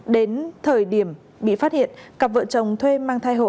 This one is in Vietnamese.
đến thời điểm bị phát hiện cặp vợ chồng thuê mang thai hộ